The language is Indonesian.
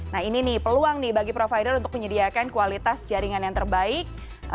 nah ini nih peluang nih bagi provider untuk menyediakan kualitas jaringan yang terbaik